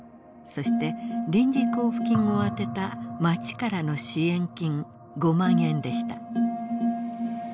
そして臨時交付金をあてた町からの支援金５万円でした。